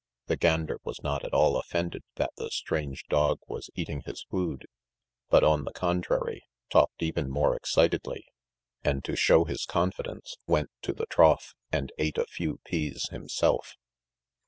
The gander was not at all offended that the strange dog was eating his food, but, on the contrary, talked even more excitedly, and to show his confidence went to the trough and ate a few peas himself.